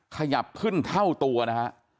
ขยับขึ้นเท่าตัวนะฮะ